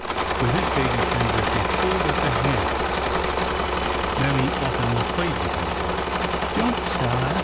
With his baby fingers he pulled at the hand. Mammy often played with him thus. Don't c'y !